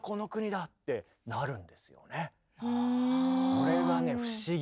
これがね不思議。